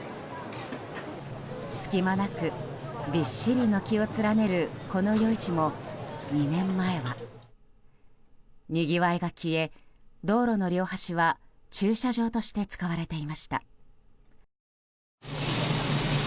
隙間なく、びっしり軒を連ねるこの夜市も２年前はにぎわいが消え、道路の両端は駐車場として使われていました。